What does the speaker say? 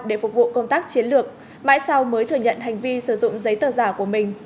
để phục vụ công tác chiến lược mãi sau mới thừa nhận hành vi sử dụng giấy tờ giả của mình